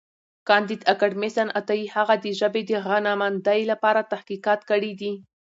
کانديد اکاډميسن عطايي هغه د ژبې د غنامندۍ لپاره تحقیقات کړي دي.